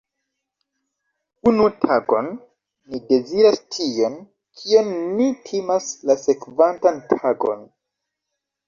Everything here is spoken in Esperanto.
Unu tagon, ni deziras tion, kion ni timas la sekvantan tagon.